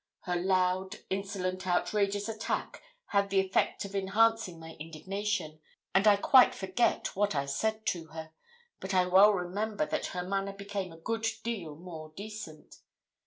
Her loud, insolent, outrageous attack had the effect of enhancing my indignation, and I quite forget what I said to her, but I well remember that her manner became a good deal more decent.